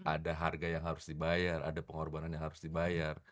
ada harga yang harus dibayar ada pengorbanan yang harus dibayar